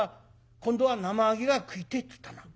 今度は『生揚げが食いてえ』っつったな。